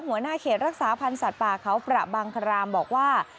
หัวหน้าเขตรักษาพันธ์สัตว์ป่าเขาประบางครามบอกว่า